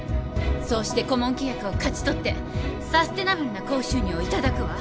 そうして顧問契約を勝ち取ってサステナブルな高収入を頂くわ。